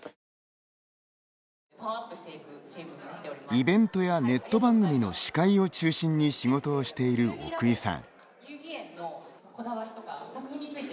イベントやネット番組の司会を中心に仕事をしている奧井さん。